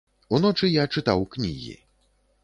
Уночы я чытаў кнігі.